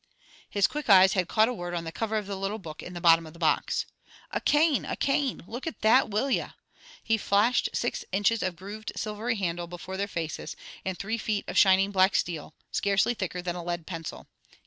His quick eyes had caught a word on the cover of the little book in the bottom of the box. "A cane! A cane! Look at that, will ye?" He flashed six inches of grooved silvery handle before their faces, and three feet of shining black steel, scarcely thicker than a lead pencil.